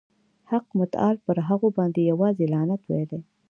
حق متعال پر هغوی باندي یوازي لعنت ویلی.